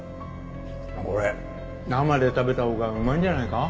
これ生で食べたほうがうまいんじゃないか？